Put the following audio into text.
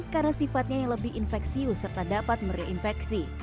karena sifatnya yang lebih infeksius serta dapat mereinfeksi